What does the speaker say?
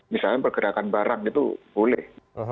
misalnya pergerakan barang itu boleh